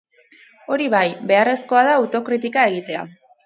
Hori bai, beharrezkoa da autokritika egitea.